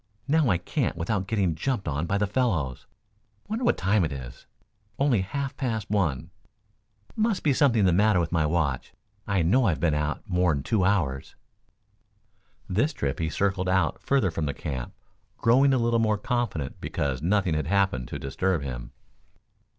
Now I can't without getting jumped on by the fellows. Wonder what time it is only half past one. Must be something the matter with my watch. I know I've been out more'n two hours." This trip he circled out further from the camp, growing a little more confident because nothing had happened to disturb him.